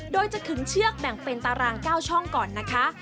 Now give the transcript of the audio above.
โดยจะขึงเชือกแบ่งเป็นตาราง๙ช่องก่อนนะคะ